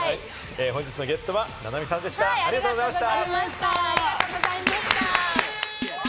本日のゲストは菜波さんでした、ありがとうございました。